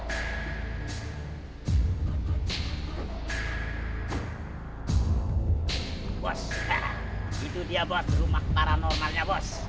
bos itu dia rumah paranormalnya